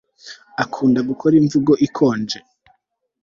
akunda gukora imvugo ikonje